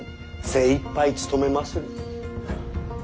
精いっぱい務めまする。